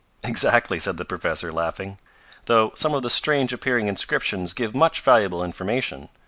"Exactly," said the professor, laughing. "Though some of the strange appearing inscriptions give much valuable information.